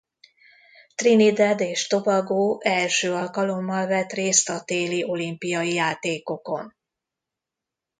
Trinidad és Tobago első alkalommal vett részt a téli olimpiai játékokon.